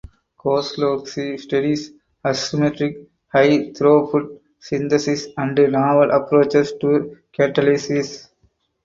Kozlowski studies asymmetric high throughput synthesis and novel approaches to catalysis.